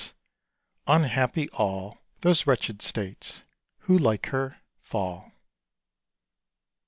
Unhappy all Those wretched states who, like her, fall.